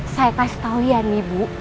saya kasih tahu ya nih bu